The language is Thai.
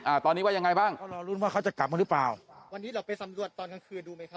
อ่าตอนนี้ว่ายังไงบ้างก็รอลุ้นว่าเขาจะกลับมาหรือเปล่าวันนี้เราไปสำรวจตอนกลางคืนดูไหมครับ